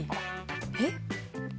えっ？